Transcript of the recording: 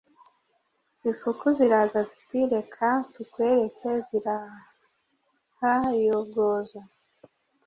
ifuku ziraza ziti: “reka tukwerekezirahayogoza